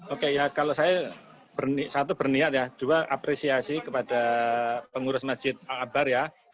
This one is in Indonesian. oke ya kalau saya satu berniat ya dua apresiasi kepada pengurus masjid al akbar ya